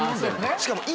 しかも今。